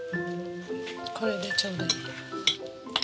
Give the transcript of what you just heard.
これでちょうどいいや。